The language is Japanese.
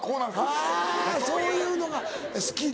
あそういうのが好きで。